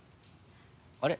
あれ？